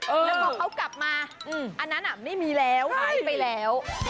แล้วพอเขากลับมาอันนั้นไม่มีแล้วหายไปแล้ว